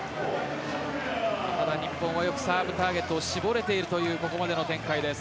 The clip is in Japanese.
ただ、日本はよくサーブターゲットを絞れているというここまでの展開です。